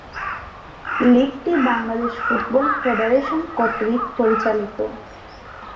লীগটি Bangladesh football federation কর্তৃক পরিচালিত।